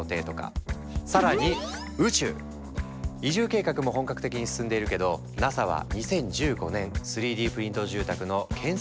移住計画も本格的に進んでいるけどＮＡＳＡは２０１５年３Ｄプリント住宅の建設コンテストを開始。